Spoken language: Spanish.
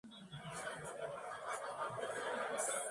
Sus partes inferiores son de color canela anaranjado.